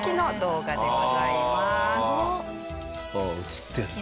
ああ映ってるな。